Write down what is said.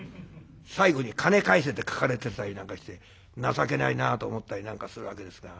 最後に「金返せ」って書かれてたりなんかして情けないなあと思ったりなんかするわけですが。